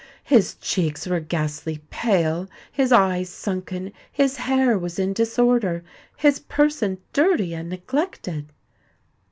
His cheeks were ghastly pale—his eyes sunken—his hair was in disorder—his person dirty and neglected.